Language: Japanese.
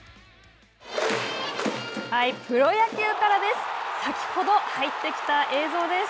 プロ野球からです。